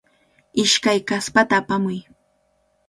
Ishkay kaspata apamuy.